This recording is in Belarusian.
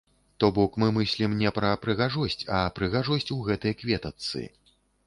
То бок мы мыслім не пра прыгажосць, а прыгажосць у гэтай кветачцы.